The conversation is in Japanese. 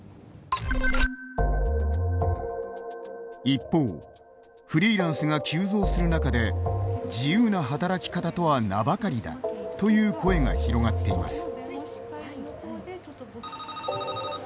一方フリーランスが急増する中で自由な働き方とは名ばかりだという声が広がっています。